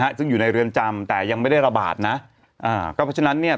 ซึ่งอยู่ในเรือนจำแต่ยังไม่ได้ระบาดนะอ่าก็เพราะฉะนั้นเนี่ย